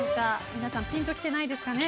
皆さん、ピンと来てないですかね。